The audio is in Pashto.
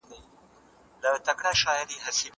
دا درسونه له هغه مهم دي!؟